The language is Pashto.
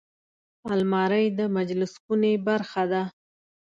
الماري د مجلس خونې برخه ده